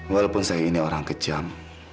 walaupun saya ini orang kejam